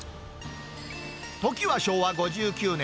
時は昭和５９年。